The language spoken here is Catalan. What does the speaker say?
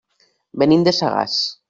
Venim de Sagàs.